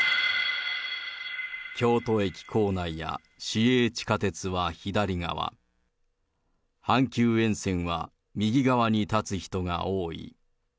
京都駅構内や、市営地下鉄は左側、阪急沿線は右側に立つ人が多い。